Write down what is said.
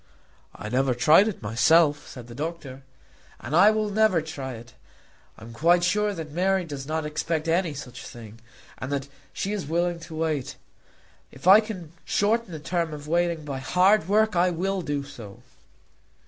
"I never tried it myself," said the doctor. "And I never will try it. I am quite sure that Mary does not expect any such thing, and that she is willing to wait. If I can shorten the term of waiting by hard work, I will do so."